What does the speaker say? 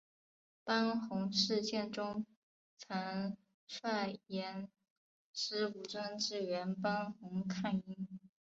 班洪事件中曾率岩帅武装支援班洪抗英。